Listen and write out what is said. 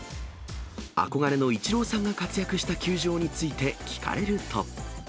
憧れのイチローさんが活躍した球場について聞かれると。